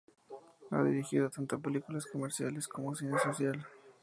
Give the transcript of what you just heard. Ha dirigido tanto películas comerciales, como cine social.